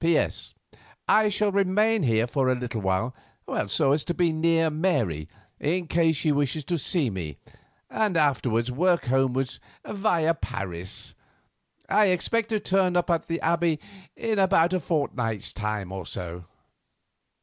"P.S. I shall remain here for a little while so as to be near Mary in case she wishes to see me, and afterwards work homewards via Paris. I expect to turn up at the Abbey in a fortnight's time or so."